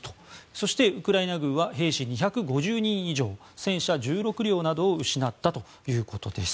そして、ウクライナ軍は兵士２５０人以上戦車１６両などを失ったということです。